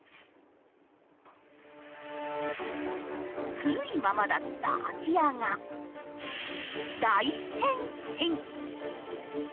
古いままだった空き家が大変身！